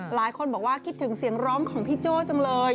หลายคนบอกว่าคิดถึงเสียงร้องของพี่โจ้จังเลย